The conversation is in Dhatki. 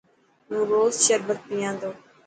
هون روز شربت پيان ٿو.